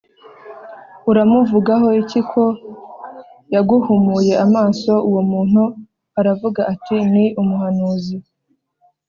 uramuvugaho iki ko yaguhumuye amaso Uwo muntu aravuga ati ni umuhanuzi